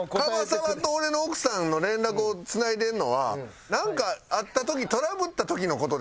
樺澤と俺の奥さんの連絡を繋いでんのはなんかあった時トラブった時の事で繋いでんねん。